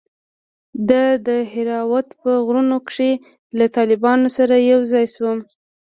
د دهراوت په غرونو کښې له طالبانو سره يوځاى سوم.